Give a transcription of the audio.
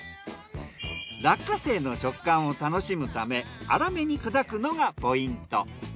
落花生の食感を楽しむため粗めに砕くのがポイント。